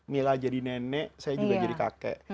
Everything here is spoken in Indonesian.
mila jadi nenek saya juga jadi kakek